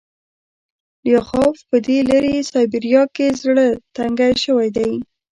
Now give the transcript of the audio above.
لیاخوف په دې لیرې سایبریا کې زړه تنګی شوی دی